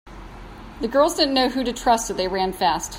The girls didn’t know who to trust so they ran fast.